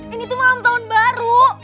ini tuh malam tahun baru